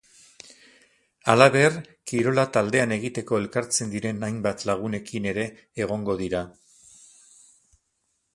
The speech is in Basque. Halaber, kirola taldean egiteko elkartzen diren hainbat lagunekine ere egongo dira.